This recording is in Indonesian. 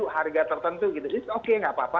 harga tertentu itu oke nggak apa apa